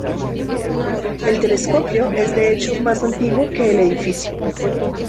El telescopio es de hecho más antiguo que el edificio.